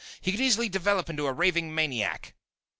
He could easily develop into a raving maniac."